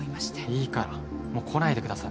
いいからもう来ないでください。